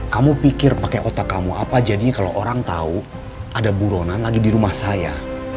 kamu pikir pakai otak kamu apa jadinya kalau orang tahu ada buronan lagi di rumah saya